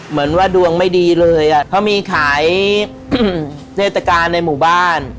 เหมือนว่าดวงไม่ดีเลยอ่ะเพราะมีขายเทศกาลในหมู่บ้าน